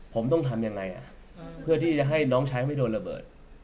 ผมต้องทำยังไงเพื่อที่จะให้น้องชายไม่โดนระเบิด